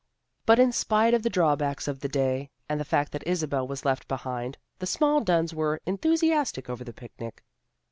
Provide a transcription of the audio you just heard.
But in spite of the drawbacks of the day and the fact that Isabel was left behind, the small Dunns were enthusiastic over the picnic.